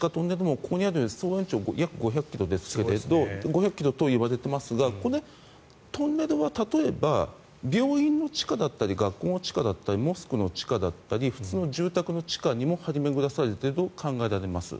ここにある総延長約５００ｋｍといわれてますがこのトンネルは例えば病院の地下だったり学校の地下だったりモスクの地下だったり普通の住宅の地下にも張り巡らされていると考えられます。